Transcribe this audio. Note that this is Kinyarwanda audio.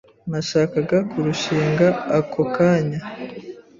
Yashakaga kurushinga ako kanya.